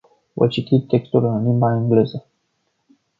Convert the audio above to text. Voi citi textul în limba engleză.